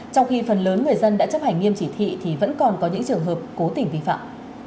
trong khi phần lớn người dân đã chấp hành nghiêm chỉ thị thì vẫn còn có những trường hợp cố tình vi phạm